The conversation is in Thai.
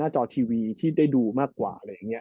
ที่ค่อนข้างทิวีที่ได้ดูมากกว่า